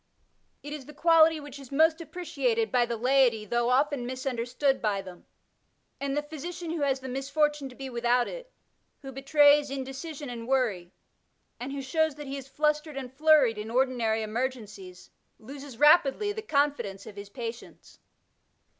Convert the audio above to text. It is the quality which is most appreciated by the laity though often misunderstood by them ; and the physician who has the misfortune to be without it, who betrays indecision and worry, and who shows that he is flustered and flurried in ordinary emer gencies, loses rapidly the confidence of his patients.